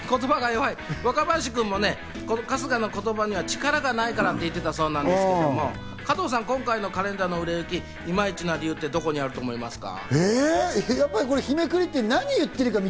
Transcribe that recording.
若林君もね、春日の言葉には力がないからって言っていたそうなんですけど、加藤さん、今回のカレンダーの売れ行き、イマイチな理由ってどこにあると思いますか？